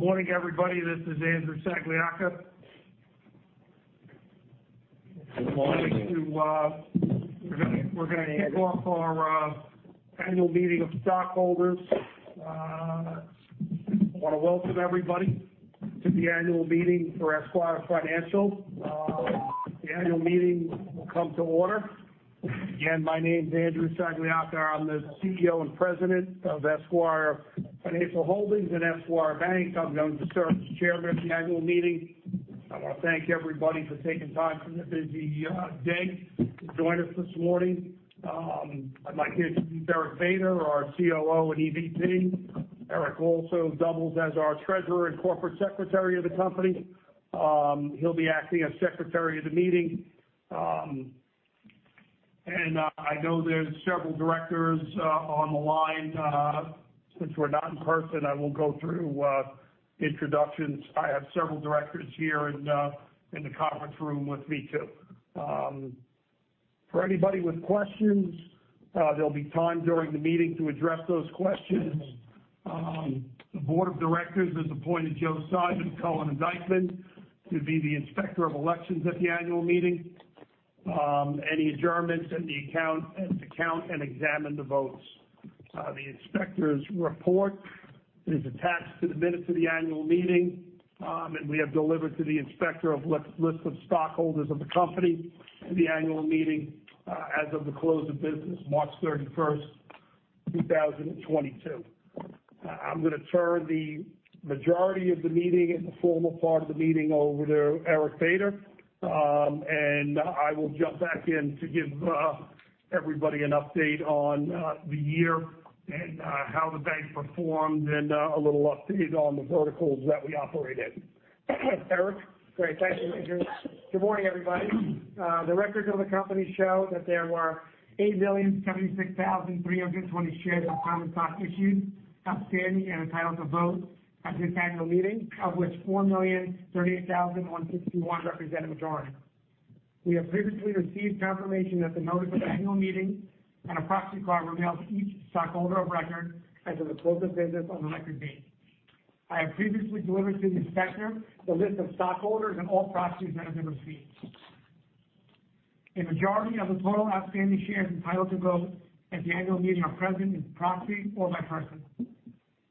Morning, everybody. This is Andrew Sagliocca. Good morning. We're ging to kick off our annual meeting of stockholders. I want to welcome everybody to the annual meeting for Esquire Financial. The annual meeting will come to order. Again, my name's Andrew Sagliocca. I'm the CEO and president of Esquire Financial Holdings and Esquire Bank. I'm going to serve as chairman of the annual meeting. I wanna thank everybody for taking time from their busy day to join us this morning. I'd like you to meet Eric Bader, our COO and EVP. Eric also doubles as our treasurer and corporate secretary of the company. He'll be acting as secretary of the meeting. I know there's several directors on the line. Since we're not in person, I won't go through introductions. I have several directors here in the conference room with me too. For anybody with questions, there'll be time during the meeting to address those questions. The board of directors has appointed Joe Simon and Colin Dyckman to be the inspector of elections at the annual meeting. Any adjournments and to count and examine the votes. The inspector's report is attached to the minutes of the annual meeting, and we have delivered to the inspector a list of stockholders of the company at the annual meeting, as of the close of business March 31st 2022. I'm gonna turn the majority of the meeting and the formal part of the meeting over to Eric Bader, and I will jump back in to give everybody an update on the year and how the bank performed and a little update on the verticals that we operate in. Eric? Great. Thank you, Andrew. Good morning, everybody. The records of the company show that there were 8,076,320 shares of common stock issued, outstanding and entitled to vote at this annual meeting, of which 4,038,161 represent a majority. We have previously received confirmation that the notice of the annual meeting and a proxy card were mailed to each stockholder of record as of the close of business on the record date. I have previously delivered to the inspector the list of stockholders and all proxies that have been received. A majority of the total outstanding shares entitled to vote at the annual meeting are present in proxy or by person.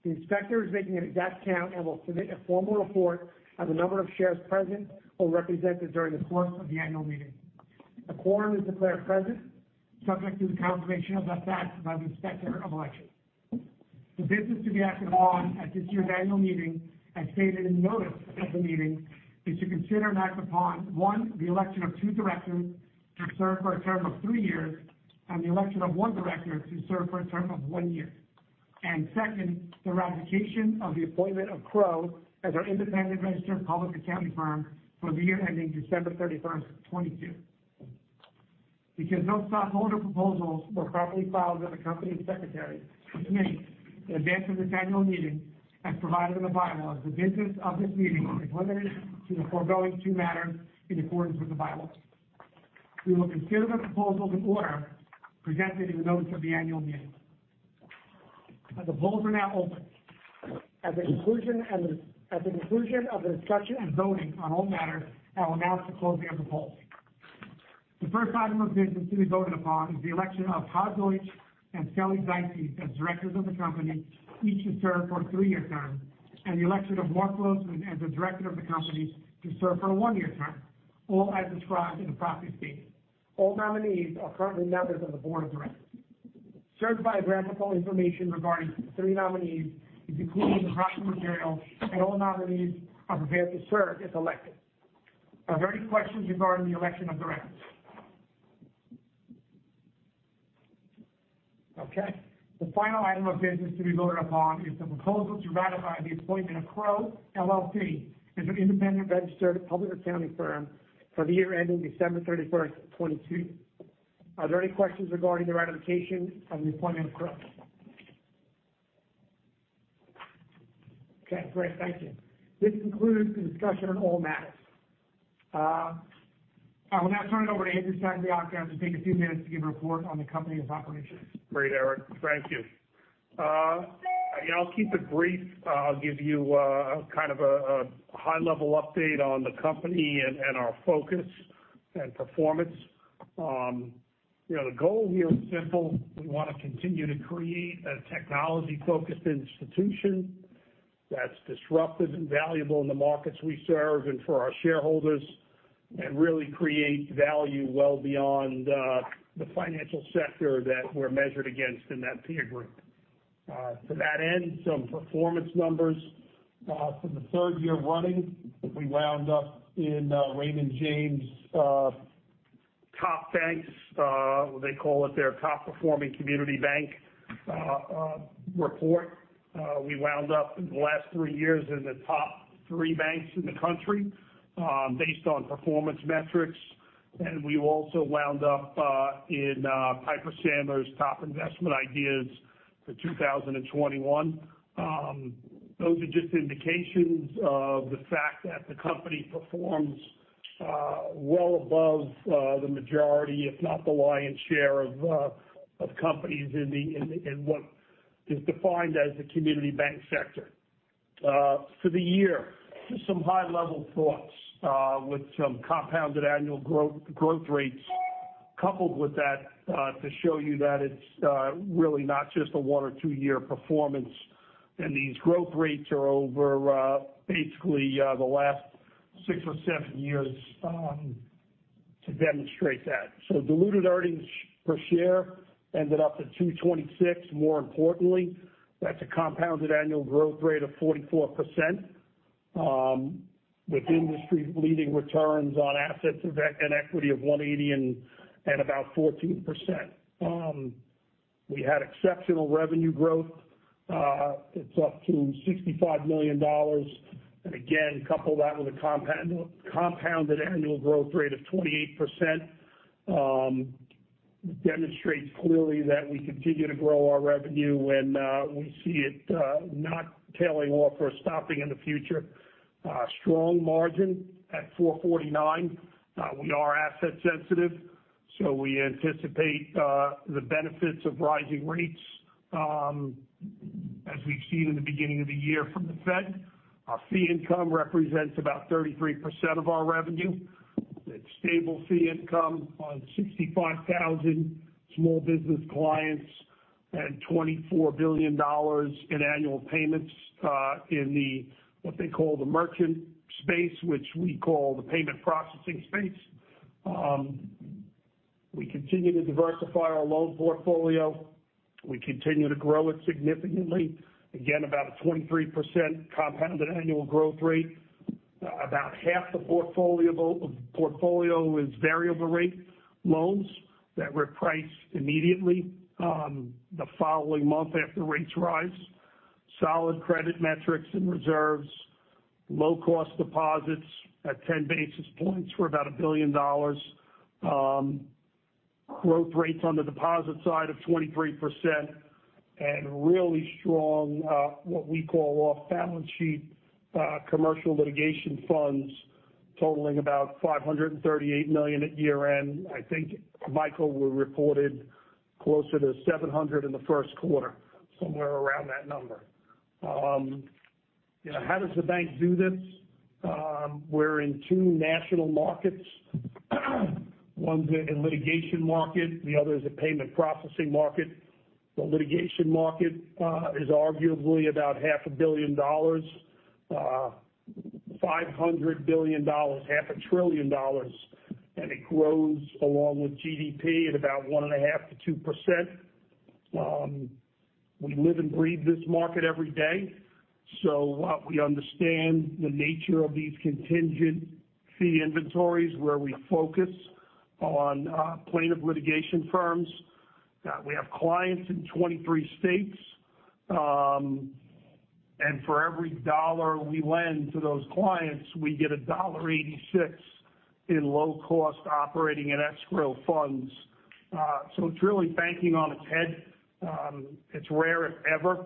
The inspector is making an exact count and will submit a formal report of the number of shares present or represented during the course of the annual meeting. A quorum is declared present subject to the confirmation of that fact by the inspector of election. The business to be acted on at this year's annual meeting, as stated in the notice of the meeting, is to consider and act upon, one, the election of two directors to serve for a term of three years and the election of one director to serve for a term of one year. Second, the ratification of the appointment of Crowe as our independent registered public accounting firm for the year ending December 31st 2022. Because no stockholder proposals were properly filed with the company secretary, which is me, in advance of this annual meeting as provided in the bylaws, the business of this meeting is limited to the foregoing two matters in accordance with the bylaws. We will consider the proposals in order presented in the notice of the annual meeting. The polls are now open. At the conclusion of the discussion and voting on all matters, I will announce the closing of the polls. The first item of business to be voted upon is the election of Todd Deutsch and Selig Zises as directors of the company, each to serve for a three-year term, and the election of Marc Grossman as a director of the company to serve for a one-year term, all as described in the proxy statement. All nominees are currently members of the board of directors. Certified biographical information regarding the three nominees is included in the proxy material, and all nominees are prepared to serve if elected. Are there any questions regarding the election of directors? Okay. The final item of business to be voted upon is the proposal to ratify the appointment of Crowe LLP as our independent registered public accounting firm for the year ending December thirty-first, 2022. Are there any questions regarding the ratification of the appointment of Crowe? Okay, great. Thank you. This concludes the discussion on all matters. I will now turn it over to Andrew Sagliocca to take a few minutes to give a report on the company's operations. Great, Eric. Thank you. Yeah, I'll keep it brief. I'll give you kind of a high-level update on the company and our focus and performance. You know, the goal here is simple. We wanna continue to create a technology-focused institution that's disruptive and valuable in the markets we serve and for our shareholders, and really create value well beyond the financial sector that we're measured against in that peer group. To that end, some performance numbers. For the third year running, we wound up in Raymond James' top banks, they call it their top-performing community bank report. We wound up in the last three years in the top three banks in the country based on performance metrics. We also wound up in Piper Sandler's top investment ideas for 2021. Those are just indications of the fact that the company performs well above the majority if not the lion's share of companies in what is defined as the community bank sector. For the year, just some high-level thoughts with some compounded annual growth rates coupled with that to show you that it's really not just a one or two-year performance. These growth rates are over basically the last six or seven years to demonstrate that. Diluted earnings per share ended up at $2.26. More importantly, that's a compounded annual growth rate of 44%. With industry leading returns on assets of 1.80% and equity of about 14%. We had exceptional revenue growth. It's up to $65 million. Couple that with a compounded annual growth rate of 28%. Demonstrates clearly that we continue to grow our revenue and we see it not tailing off or stopping in the future. Strong margin at 4.49%. We are asset sensitive, so we anticipate the benefits of rising rates as we've seen in the beginning of the year from the Fed. Our fee income represents about 33% of our revenue. It's stable fee income on 65,000 small business clients and $24 billion in annual payments in the, what they call the merchant space, which we call the payment processing space. We continue to diversify our loan portfolio. We continue to grow it significantly. Again, about a 23% compounded annual growth rate. About half the portfolio is variable rate loans that reprice immediately, the following month after rates rise. Solid credit metrics and reserves. Low cost deposits at 10 basis points. We're about $1 billion. Growth rates on the deposit side of 23%. Really strong, what we call off-balance sheet, commercial litigation funds totaling about $538 million at year-end. I think Michael, we reported closer to $700 million in the Q1, somewhere around that number. You know, how does the bank do this? We're in two national markets. One's a litigation market, the other is a payment processing market. The litigation market is arguably about $500 million, $500 billion, $ half a trillion, and it grows along with GDP at about 1.5%-2%. We live and breathe this market every day. While we understand the nature of these contingent fee inventories, where we focus on plaintiff litigation firms, we have clients in 23 states, and for every dollar we lend to those clients, we get $1.86 in low cost operating and escrow funds. It's really banking on its head. It's rare if ever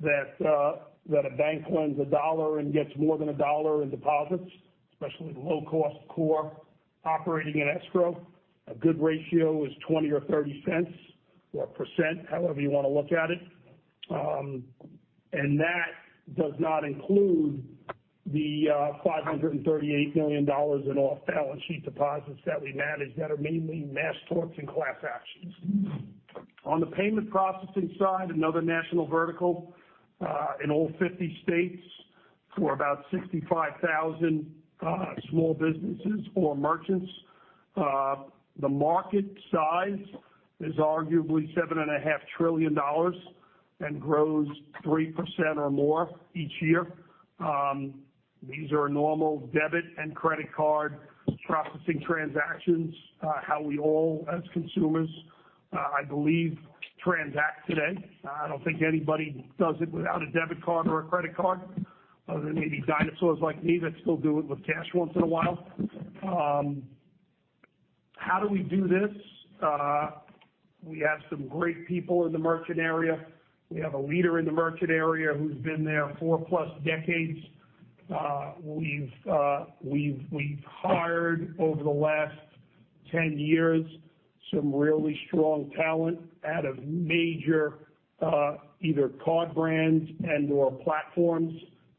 that a bank lends a dollar and gets more than a dollar in deposits, especially low cost core operating and escrow. A good ratio is 20 or 30 cents or %, however you wanna look at it. That does not include the $538 million in off-balance sheet deposits that we manage that are mainly mass torts and class actions. On the payment processing side, another national vertical, in all 50 states for about 65,000 small businesses or merchants. The market size is arguably $7.5 trillion and grows 3% or more each year. These are normal debit and credit card processing transactions. How we all as consumers, I believe, transact today. I don't think anybody does it without a debit card or a credit card, other than maybe dinosaurs like me that still do it with cash once in a while. How do we do this? We have some great people in the merchant area. We have a leader in the merchant area who's been there four+ decades. We've hired over the last 10 years some really strong talent out of major either card brands and/or platforms.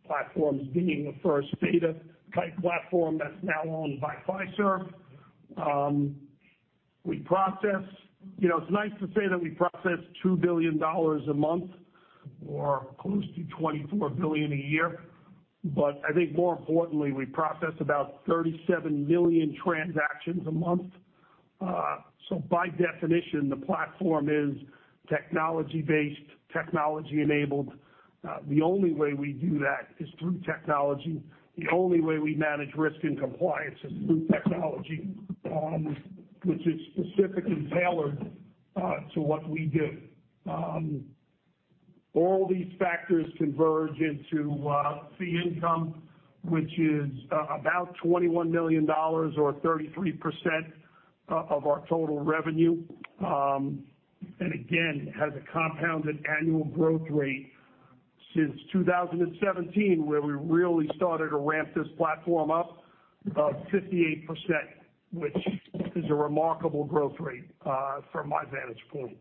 Platforms being the first beta-type platform that's now owned by Fiserv. We process. You know, it's nice to say that we process $2 billion a month or close to $24 billion a year. But I think more importantly, we process about 37 million transactions a month. So by definition, the platform is technology-based, technology-enabled. The only way we do that is through technology. The only way we manage risk and compliance is through technology, which is specifically tailored to what we do. All these factors converge into fee income, which is about $21 million or 33% of our total revenue. Again, has a compounded annual growth rate since 2017, where we really started to ramp this platform up of 58%, which is a remarkable growth rate from my vantage point.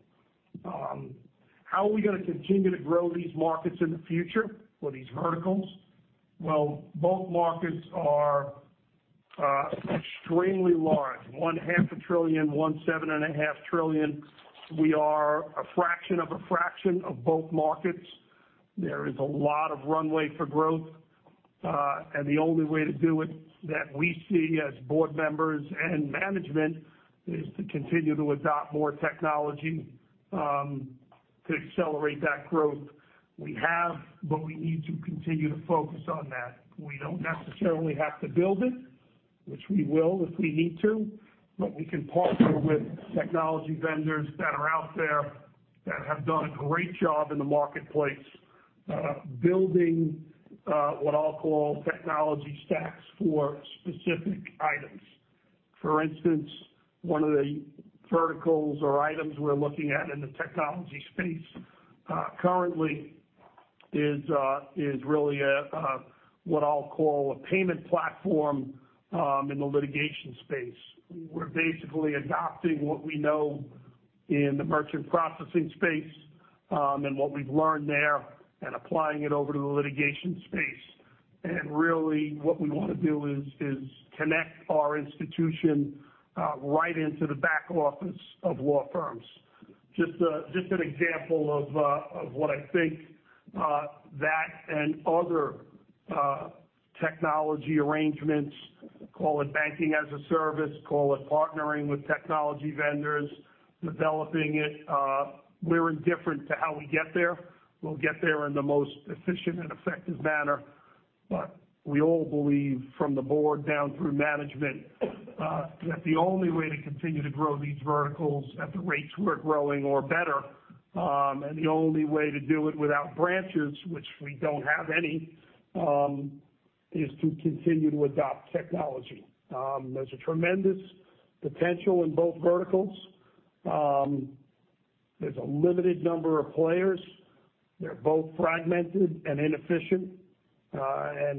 How are we gonna continue to grow these markets in the future or these verticals? Well, both markets are extremely large, $1.5 trillion, $17.5 trillion. We are a fraction of a fraction of both markets. There is a lot of runway for growth, and the only way to do it that we see as board members and management is to continue to adopt more technology to accelerate that growth. We have, but we need to continue to focus on that. We don't necessarily have to build it, which we will if we need to, but we can partner with technology vendors that are out there that have done a great job in the marketplace, building what I'll call technology stacks for specific items. For instance, one of the verticals or items we're looking at in the technology space, currently is really a what I'll call a payment platform in the litigation space. We're basically adopting what we know in the merchant processing space, and what we've learned there and applying it over to the litigation space. Really what we wanna do is connect our institution right into the back office of law firms. Just an example of what I think that and other technology arrangements, call it banking as a service, call it partnering with technology vendors, developing it. We're indifferent to how we get there. We'll get there in the most efficient and effective manner. We all believe from the board down through management that the only way to continue to grow these verticals at the rates we're growing or better, and the only way to do it without branches, which we don't have any, is to continue to adopt technology. There's a tremendous potential in both verticals. There's a limited number of players. They're both fragmented and inefficient.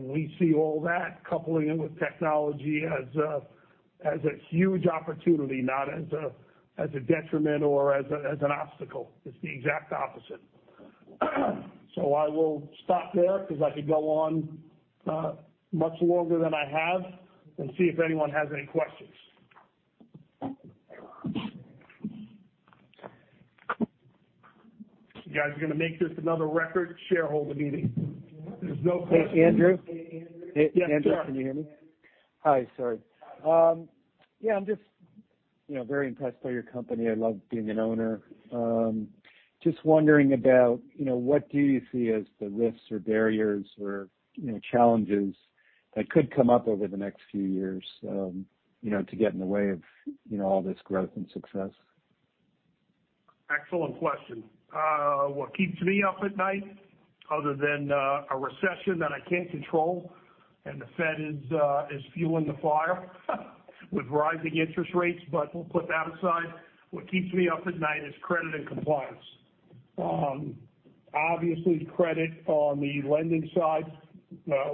We see all that coupling in with technology as a huge opportunity, not as a detriment or as an obstacle. It's the exact opposite. I will stop there because I could go on much longer than I have and see if anyone has any questions. You guys are gonna make this another record shareholder meeting. There's no question. Hey, Andrew. Yes, sir. Andrew, can you hear me? Hi. Sorry. Yeah, I'm just, you know, very impressed by your company. I love being an owner. Just wondering about, you know, what do you see as the risks or barriers or, you know, challenges that could come up over the next few years, you know, to get in the way of, you know, all this growth and success? Excellent question. What keeps me up at night other than a recession that I can't control and the Fed is fueling the fire with rising interest rates, but we'll put that aside. What keeps me up at night is credit and compliance. Obviously credit on the lending side,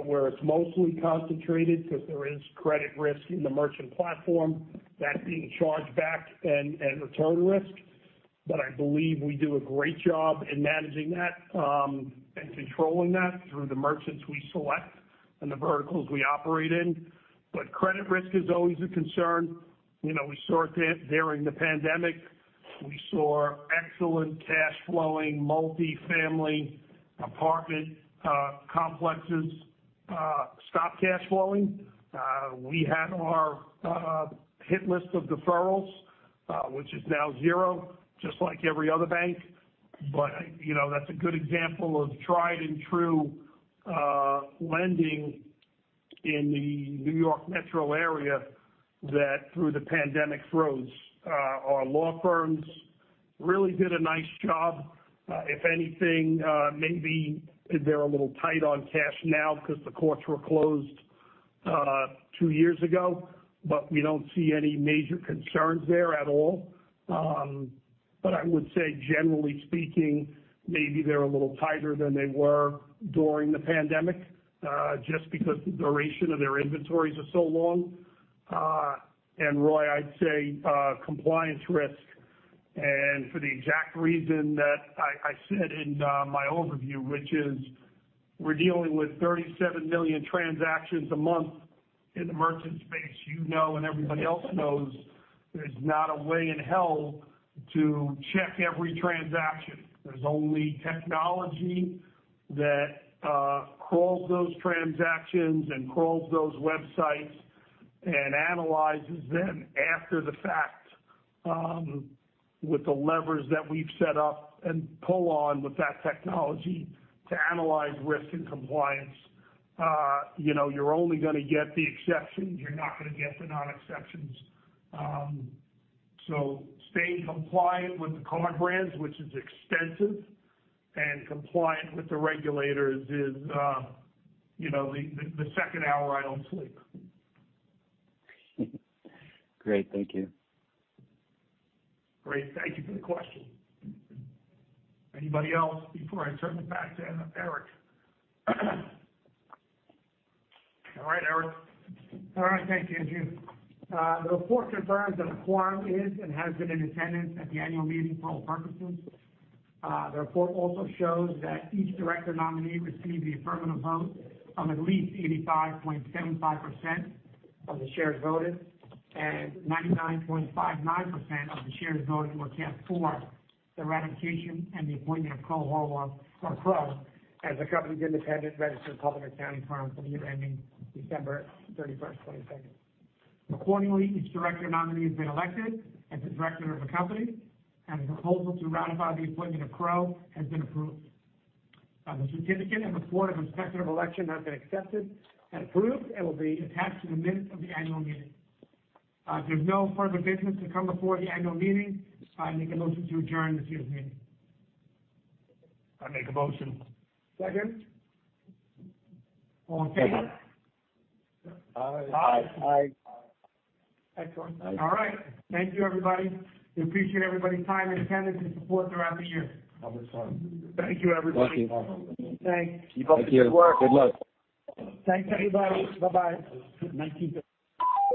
where it's mostly concentrated because there is credit risk in the merchant platform that's being charged back and return risk. But I believe we do a great job in managing that and controlling that through the merchants we select and the verticals we operate in. But credit risk is always a concern. You know, we saw it there during the pandemic. We saw excellent cash flowing, multi-family apartment complexes stop cash flowing. We had our hit list of deferrals, which is now zero, just like every other bank. You know, that's a good example of tried and true lending in the New York metro area that through the pandemic froze. Our law firms really did a nice job. If anything, maybe they're a little tight on cash now because the courts were closed two years ago, but we don't see any major concerns there at all. I would say generally speaking, maybe they're a little tighter than they were during the pandemic, just because the duration of their inventories are so long. Roy, I'd say compliance risk. For the exact reason that I said in my overview, which is we're dealing with 37 million transactions a month in the merchant space, you know, and everybody else knows there's not a way in hell to check every transaction. There's only technology that crawls those transactions and crawls those websites and analyzes them after the fact, with the levers that we've set up and pull on with that technology to analyze risk and compliance. You know, you're only gonna get the exceptions, you're not gonna get the non-exceptions. Staying compliant with the card brands, which is extensive, and compliant with the regulators is, you know, the second hour I don't sleep. Great. Thank you. Great. Thank you for the question. Anybody else before I turn it back to Eric? All right, Eric. All right. Thank you, Andrew. The report confirms that a quorum is and has been in attendance at the annual meeting for all purposes. The report also shows that each director nominee received the affirmative vote of at least 85.75% of the shares voted, and 99.59% of the shares voted were cast for the ratification and the appointment of Crowe LLP as the company's independent registered public accounting firm for the year ending December 31, 2022. Accordingly, each director nominee has been elected as a director of the company, and the proposal to ratify the appointment of Crowe LLP has been approved. The certificate and report of effective election has been accepted and approved and will be attached to the minutes of the annual meeting. If there's no further business to come before the annual meeting, I make a motion to adjourn this year's meeting. I make a motion. Second. All in favor. Aye. Aye. Excellent. All right. Thank you, everybody. We appreciate everybody's time and attendance and support throughout the year. Have a good time. Thank you, everybody. Thank you. Thanks. Keep up the good work. Good luck. Thanks, everybody. Bye-bye. Thank you.